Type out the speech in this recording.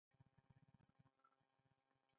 په چین او جاپان کې دواړو پېښو ډېر نږدېوالی درلود.